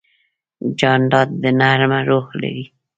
جانداد د نرمه روح لري.